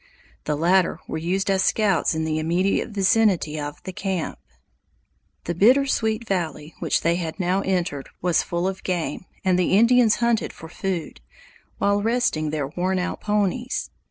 The latter were used as scouts in the immediate vicinity of the camp. The Bittersweet valley, which they had now entered, was full of game, and the Indians hunted for food, while resting their worn out ponies.